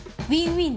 ウィン。